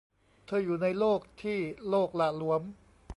เธออยู่ในโลกที่โลกหละหลวม